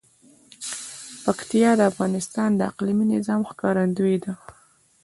پکتیا د افغانستان د اقلیمي نظام ښکارندوی ده.